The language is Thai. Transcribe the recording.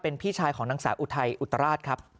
เป็นพี่ชายของนางสาวอุทัยอุตราชครับ